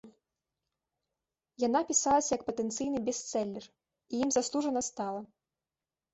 Яна пісалася як патэнцыйны бестселер і ім заслужана стала.